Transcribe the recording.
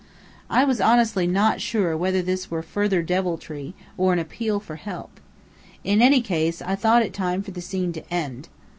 I was honestly not sure whether this were further deviltry, or an appeal for help. In any case, I thought it time for the scene to end.